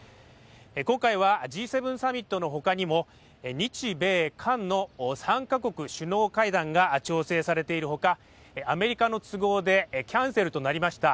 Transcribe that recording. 今回はＧ７サミットのほかにも日米韓の３か国首脳会談が調整されているほかアメリカの都合でキャンセルとなりました